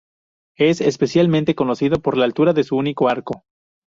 Es especialmente conocido por la altura de su único arco.